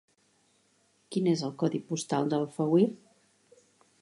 Quin és el codi postal d'Alfauir?